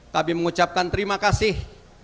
kami mengucapkan terima kasih